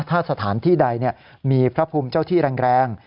ถ้าสถานที่ใดมีพระภูมิเจ้าที่แรง